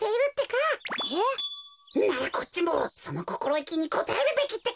ならこっちもそのこころいきにこたえるべきってか！